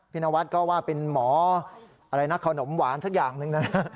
พี่นวัสดิ์ก็ว่าเป็นหมอขนมหวานสักอย่างหนึ่ง